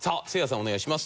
お願いします。